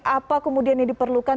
apa kemudian yang diperlukan